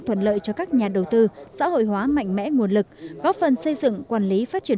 thuận lợi cho các nhà đầu tư xã hội hóa mạnh mẽ nguồn lực góp phần xây dựng quản lý phát triển